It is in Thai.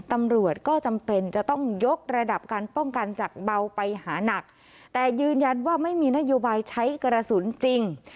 ตำรวจก็จำเป็นจะต้องยกระดับการป้องกันจากเบาไปหานักแต่ยืนยันว่าไม่มีนโยบายใช้กระสุนจริง